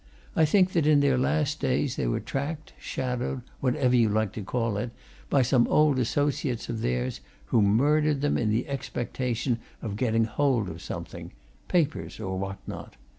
I think that in their last days they were tracked, shadowed, whatever you like to call it, by some old associates of theirs, who murdered them in the expectation of getting hold of something papers, or what not.